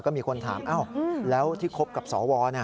ก็มีคนถามแล้วที่คบกับสว